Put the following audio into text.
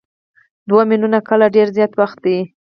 دوه میلیونه کاله ډېر زیات وخت دی.